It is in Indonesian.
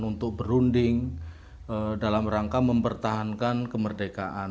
untuk berunding dalam rangka mempertahankan kemerdekaan